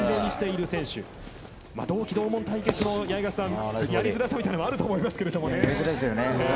同期、同門対決のやりづらいところもあると思いますけどね。